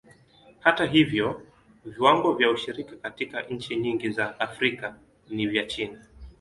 Hata hivyo, viwango vya ushiriki katika nchi nyingi za Afrika ni vya chini.